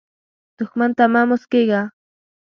دښمن ته مه مسکېږه